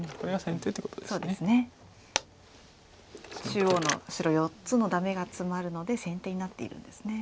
中央の白４つのダメがツマるので先手になっているんですね。